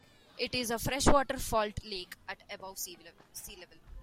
It is a freshwater fault lake at above sea level.